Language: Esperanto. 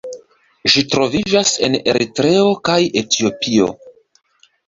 Ĝi troviĝas en Eritreo kaj Etiopio.